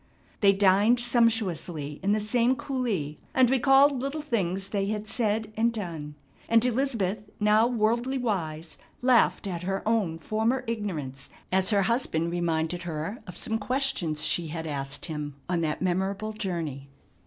They dined sumptuously in the same coulee, and recalled little things they had said and done, and Elizabeth now worldly wise, laughed at her own former ignorance as her husband reminded her of some questions she had asked him on that memorable journey.